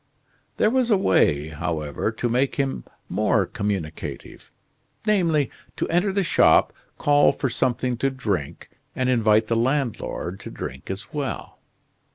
There was a way, however, to make him more communicative, namely, to enter the shop, call for something to drink, and invite the landlord to drink as well.